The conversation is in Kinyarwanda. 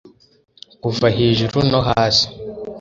kuva hejuru no hasi